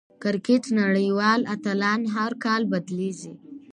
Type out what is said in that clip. د کرکټ نړۍوال اتلان هر کال بدلېږي.